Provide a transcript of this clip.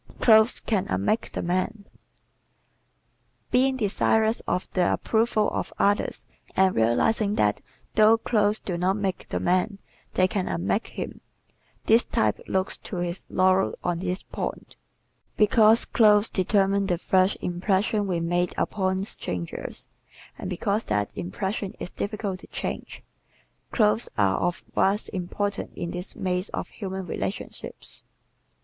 Clothes Can Unmake the Man ¶ Being desirous of the approval of others and realizing that though clothes do not make the man they can unmake him, this type looks to his laurels on this point. Because clothes determine the first impressions we make upon strangers and because that impression is difficult to change, clothes are of vast importance in this maze of human relationships.